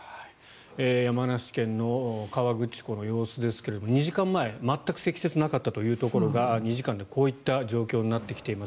山梨県の河口胡の様子ですが２時間前全く積雪がなかったところが２時間でこういった状況になっています。